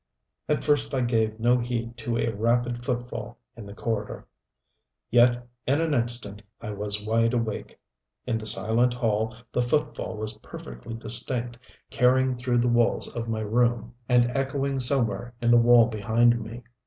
At first I gave no heed to a rapid footfall in the corridor. Yet in an instant I was wide awake. In the silent hall the footfall was perfectly distinct, carrying through the walls of my room, and echoing somewhere in the wall behind me.